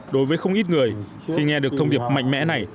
đối với không ít người khi nghe được thông điệp mạnh mẽ này